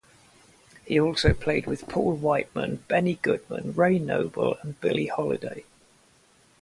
He also played with Paul Whiteman, Benny Goodman, Ray Noble, and Billie Holiday.